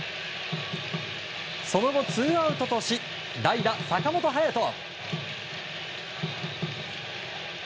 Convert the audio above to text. その後、ツーアウトとし代打、坂本勇人。